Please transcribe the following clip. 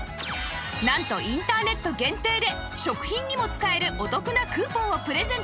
なんとインターネット限定で食品にも使えるお得なクーポンをプレゼント